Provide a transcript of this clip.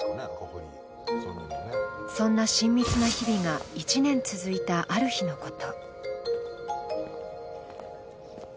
そんな親密な日々が１年続いたある日のこと。